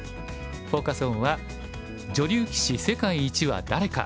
フォーカス・オンは「女流棋士世界一は誰か！